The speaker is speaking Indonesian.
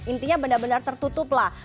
intinya benar benar tertutuplah